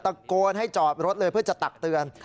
ตะโกนให้จอดรถเลยเพื่อจะตักเตือน